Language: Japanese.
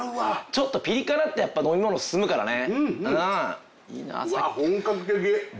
ちょっとピリ辛ってやっぱ飲み物進むからね。